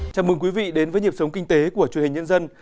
chào mừng quý vị đến với nhịp sống kinh tế của truyền hình nhân dân